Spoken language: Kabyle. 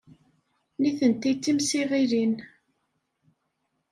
Nitenti d timsiɣilin.